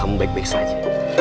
kamu baik baik saja